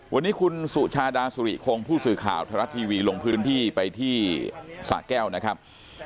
วันนี้คุณสุชาดาสุริคงผู้สื่อข่าวไทยรัฐทีวีลงพื้นที่ไปที่สะแก้วนะครับ